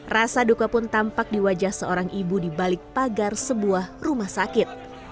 rasa duka pun tampak di wajah seorang ibu di balik pagar sebuah rumah sakit